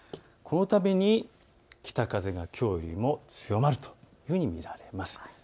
このために北風が、きょうよりも強まるというふうに見られます。